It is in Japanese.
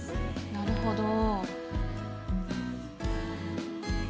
なるほど。